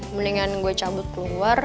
mendingan gue cabut keluar